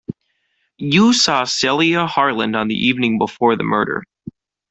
You saw Celia Harland on the evening before the murder.